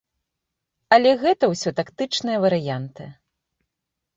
Але гэта ўсе тактычныя варыянты.